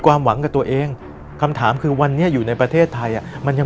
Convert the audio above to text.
ความหวังกับตัวเองคำถามคือวันนี้อยู่ในประเทศไทยอ่ะมันยัง